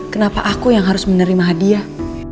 kenapa aku yang harus menerima hadiah